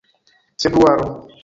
februaro